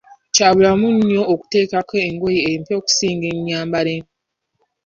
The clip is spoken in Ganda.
Kya bulamu nnyo okuteekako engoye empya okusinga enyambalemu.